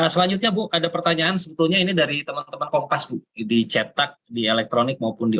selanjutnya bukade pertanyaan sebetulnya ini dari teman teman kompas di cetak di elektronik maupun di